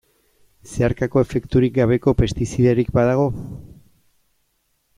Zeharkako efekturik gabeko pestizidarik badago?